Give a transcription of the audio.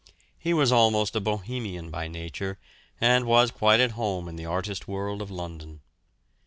He was almost a bohemian by nature, and was quite at home in the artist world of London.